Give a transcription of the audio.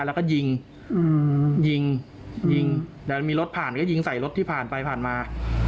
แล้วมีรถผ่านก็ยิงใส่รถที่ผ่านไปผ่านมา